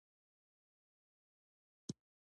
وينو نرۍ دارې وهلې.